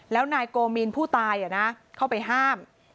แล้วนายโกมินผู้ตายเข้าไปห้าม